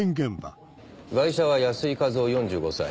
ガイシャは安井一央４５歳。